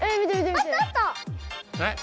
え